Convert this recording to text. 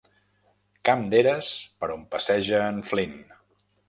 Camp d'eres per on passeja en Flynn.